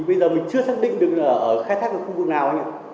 bây giờ mình chưa xác định được là ở khai thác ở khu vực nào anh ạ